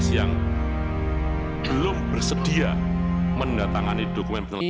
yang belum bersedia menertangani dokumen penyelesaian